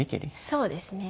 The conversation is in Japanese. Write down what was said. そうですね。